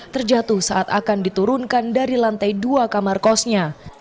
terjatuh saat akan diturunkan dari lantai dua kamar kosnya